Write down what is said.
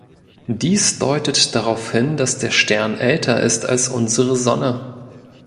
Dies deutet darauf hin, dass der Stern älter ist als unsere Sonne.